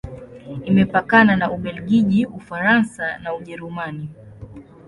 Imepakana na Ubelgiji, Ufaransa na Ujerumani.